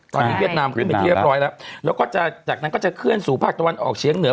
ตอนนี้เวียดนามขึ้นไปที่เรียบร้อยแล้วแล้วก็จะจากนั้นก็จะเคลื่อนสู่ภาคตะวันออกเชียงเหนือ